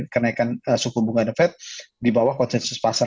kenaikan suku bunga nevet di bawah konsensus pasar